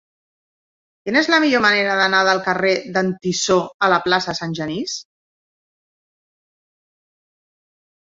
Quina és la millor manera d'anar del carrer d'en Tissó a la plaça de Sant Genís?